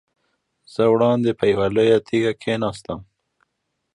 زه وړاندې پر یوه لویه تیږه کېناستم.